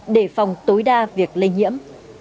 để phòng tối đa việc lây nhiễm